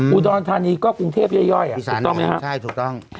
อุดรธานีก็กรุงเทพย่อยถูกต้องไหมฮะใช่ถูกต้อง